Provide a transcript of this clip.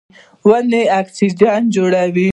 ونې اکسیجن جوړوي.